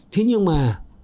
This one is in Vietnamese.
thế nhưng mà